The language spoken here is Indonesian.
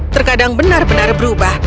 terkadang benar benar berubah